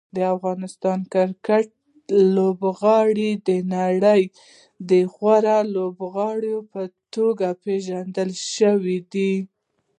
د افغان کرکټ لوبغاړي د نړۍ د غوره لوبغاړو په توګه پېژندل شوي دي.